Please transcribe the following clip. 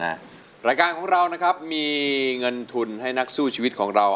รายการของเรานะครับมีเงินทุนให้นักสู้ชีวิตของเรา